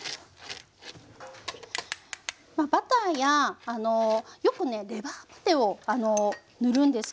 まあバターやあのよくねレバーパテを塗るんですけれども。